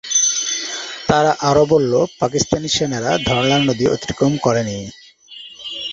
তারা আরও বলল, পাকিস্তানি সেনারা ধরলা নদী অতিক্রম করেনি।